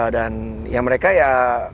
dan yang mereka ya